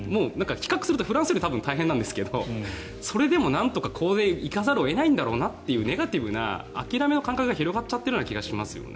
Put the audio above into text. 比較するとフランスより大変なんですがそれでもこれで行かざるを得ないんだろうなという諦めの感覚が広がってるような気がしますよね。